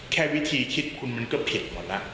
แค่วิธีคิดคุณมันก็ผิดหมดแล้ว